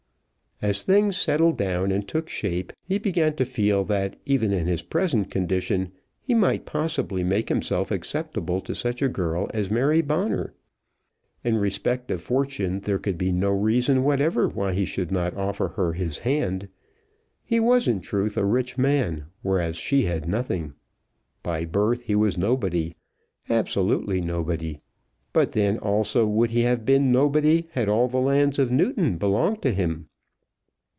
As things settled down and took shape he began to feel that even in his present condition he might possibly make himself acceptable to such a girl as Mary Bonner. In respect of fortune there could be no reason whatever why he should not offer her his hand. He was in truth a rich man, whereas she had nothing, By birth he was nobody, absolutely nobody; but then also would he have been nobody had all the lands of Newton belonged to him.